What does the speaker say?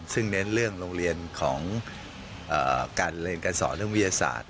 ซึ่งเน้นเรื่องโรงเรียนของการเรียนการสอนเรื่องวิทยาศาสตร์